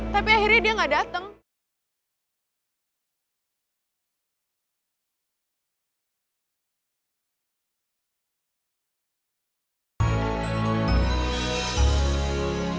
kemarin bilangnya mau diner sama gue sama nyokap